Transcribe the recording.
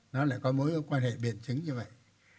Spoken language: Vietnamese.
nó lại có mối quan hệ biện chứng như vậy